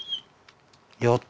「よっ！」